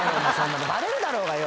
バレるだろうがよ。